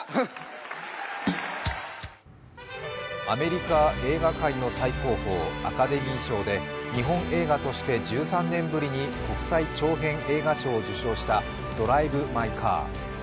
アメリカ映画界の最高峰アカデミー賞で日本映画として１３年ぶりに国際長編映画賞を受賞した「ドライブ・マイ・カー」。